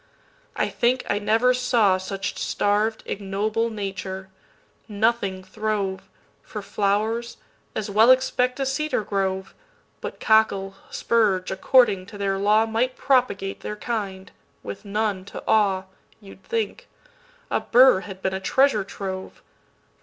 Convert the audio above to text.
I think I never sawSuch starv'd ignoble nature; nothing throve:For flowers—as well expect a cedar grove! But cockle, spurge, according to their lawMight propagate their kind, with none to awe, You 'd think; a burr had been a treasure trove.